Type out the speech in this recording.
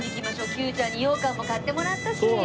Ｑちゃんに羊羹も買ってもらったし。